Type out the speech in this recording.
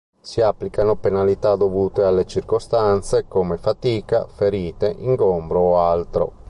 Si applicano penalità dovute alle circostanze, come fatica, ferite, ingombro o altro.